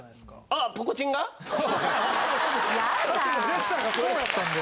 さっきのジェスチャーがこうやったんで。